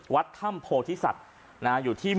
วัดถ้ำโพธิสัตย์